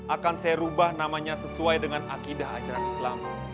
akan saya rubah namanya sesuai dengan akidah ajaran islam